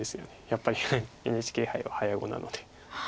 やっぱりＮＨＫ杯は早碁なので。